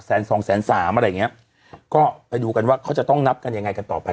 สองแสนสามอะไรอย่างเงี้ยก็ไปดูกันว่าเขาจะต้องนับกันยังไงกันต่อไป